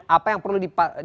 apa yang perlu dipakai